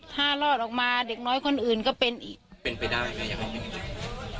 ถ้ารอดออกมาเด็กน้อยคนอื่นก็เป็นอีก